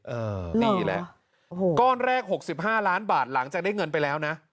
เอ่อนี่แหละก้อนแรกหกสิบห้าล้านบาทหลังจากได้เงินไปแล้วน่ะ